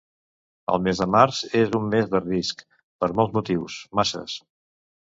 El mes de març és un mes de risc, per molts motius, masses.